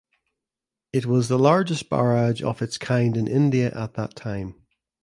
It was the largest barrage of its kind in India at that time.